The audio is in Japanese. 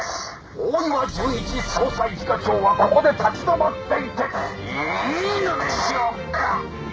「大岩純一捜査一課長はここで立ち止まっていていいのでしょうか？」